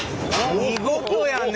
見事やね！